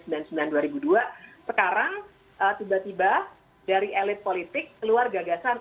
sekarang tiba tiba dari elit politik keluar gagasan